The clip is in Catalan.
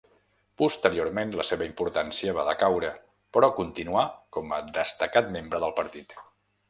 Posteriorment la seva importància va decaure, però continuà com a destacat membre del partit.